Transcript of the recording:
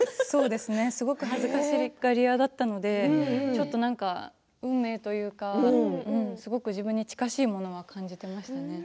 すごく恥ずかしがり屋だったのでちょっと、運命というかすごく自分に近しいものは感じています。